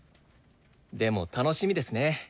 でも楽しみですね。